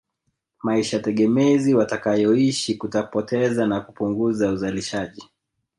Maisha tegemezi watakayoishi kutapoteza na kupunguza uzalishaji